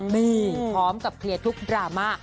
นี่พร้อมกับเคลียร์ทุกดราม่า